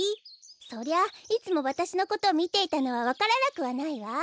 そりゃいつもわたしのことをみていたのはわからなくはないわ。